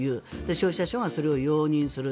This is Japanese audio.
消費者庁がそれを容認する。